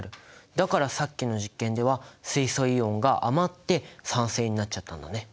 だからさっきの実験では水素イオンが余って酸性になっちゃったんだね。